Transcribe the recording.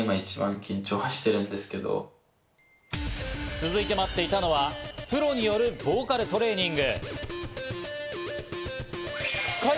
続いて待っていたのは、プロによるボーカルトレーニング。